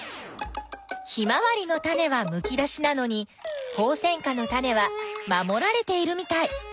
ヒマワリのタネはむき出しなのにホウセンカのタネは守られているみたい。